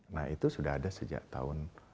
nah itu sudah ada sejak tahun